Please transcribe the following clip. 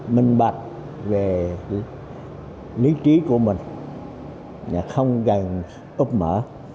minh bạch về lý trí của mình không cần úp mở